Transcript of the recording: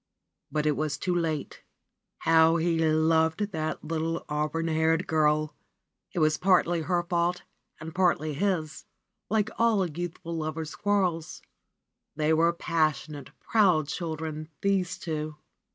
But it was too late ! How he loved that little auburn haired girl ! It was partly her fault and partly his, like all youth ful lovers' quarrels. They were passionate, proud chil dren these two.